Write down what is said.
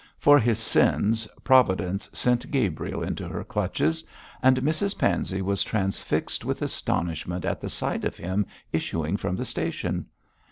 For his sins Providence sent Gabriel into her clutches, and Mrs Pansey was transfixed with astonishment at the sight of him issuing from the station.